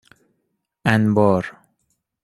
انبار